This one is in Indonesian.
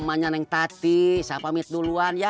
saya pamit duluan ya